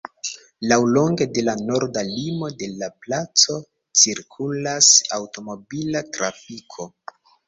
Laŭlonge de la norda limo de la placo cirkulas aŭtomobila trafiko.